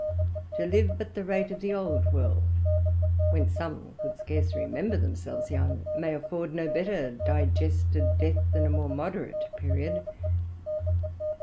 To live at the rate of the old world, when some could scarce remember themselves young, may afford no better digested death than a more moderate period.